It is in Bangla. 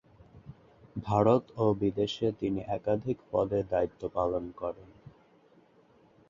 ভারত ও বিদেশে তিনি একাধিক পদে দায়িত্ব পালন করেন।